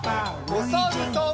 おさるさん。